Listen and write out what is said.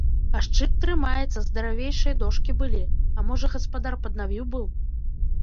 А шчыт трымаецца, здаравейшыя дошкі былі, а можа, гаспадар паднавіў быў.